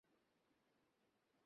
এ ঘরে আমার কত বড়ো অধিকার!